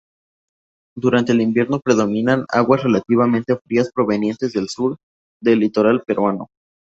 Durante el invierno predominan aguas relativamente frías provenientes del sur del litoral peruano.